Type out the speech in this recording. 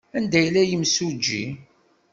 Anda yella yimsujji?